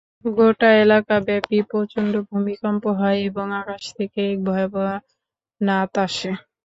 গোটা এলাকাব্যাপী প্রচণ্ড ভূমিকম্প হয় এবং আকাশ থেকে এক ভয়াবহ নাদ আসে।